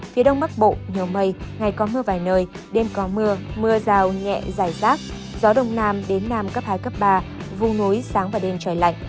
phía đông bắc bộ nhiều mây ngày có mưa vài nơi đêm có mưa mưa rào nhẹ dài rác gió đông nam đến nam cấp hai cấp ba vùng núi sáng và đêm trời lạnh